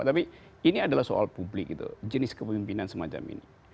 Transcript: tapi ini adalah soal publik gitu jenis kepemimpinan semacam ini